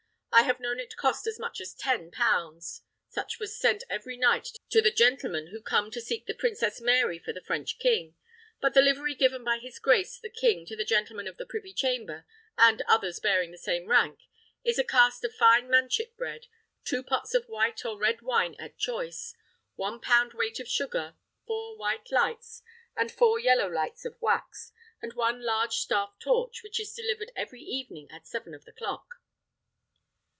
I have known it cost as much as ten pounds; such was sent every night to the gentlemen who came to seek the Princess Mary for the French king; but the livery given by his grace the king to the gentlemen of the privy chamber, and others bearing the same rank, is a cast of fine manchet bread, two pots of white or red wine at choice, one pound weight of sugar, four white lights, and four yellow lights of wax, and one large staff torch, which is delivered every evening at seven of the clock."